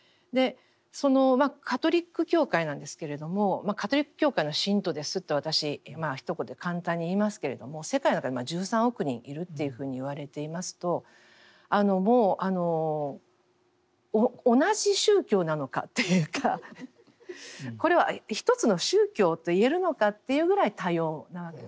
そのカトリック教会なんですけれどもカトリック教会の信徒ですって私ひと言で簡単に言いますけれども世界の中で１３億人いるというふうに言われていますともう同じ宗教なのかっていうかこれは一つの宗教と言えるのかというぐらい多様なわけですよね。